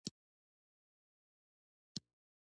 د چین اقتصادي تاریخ زرګونه کاله پخوانی دی.